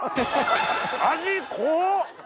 味濃っ！